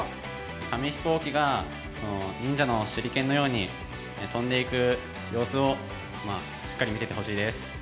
紙飛行機が忍者の手裏剣のように飛んでいく様子をしっかり見ててほしいです。